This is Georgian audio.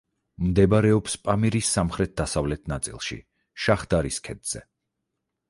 მდებარეობს პამირის სამხრეთ-დასავლეთ ნაწილში, შაჰდარის ქედზე.